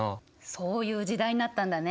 そういう時代になったんだね。